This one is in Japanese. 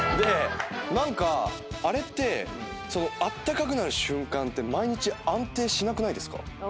何かあれってあったかくなる瞬間って毎日安定しなくないですか？